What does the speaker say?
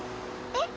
え？